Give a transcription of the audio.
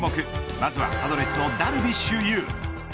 まずはパドレスのダルビッシュ有。